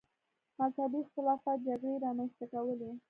مذهبي اختلافات جګړې رامنځته کولې.